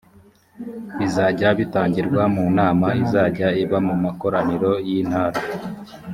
bizajya bitangirwa mu nama izajya iba mu makoraniro y intara